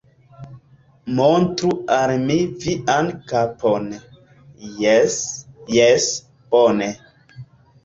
Montru al mi vian kapon. Jes, jes, bone